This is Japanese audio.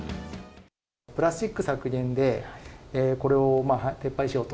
プラスチック削減で、これを撤廃しようと。